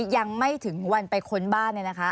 ยังไม่ถึงวันไปค้นบ้านเลยนะคะ